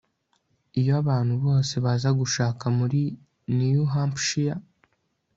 Iyo abantu bose baza gushaka muri New Hampshire